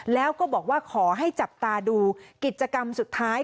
แล้วก็บอกว่าขอให้จับตาดูกิจกรรมสุดท้าย